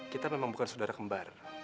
kita memang bukan saudara kembar